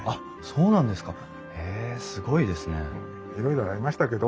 そうなんですね。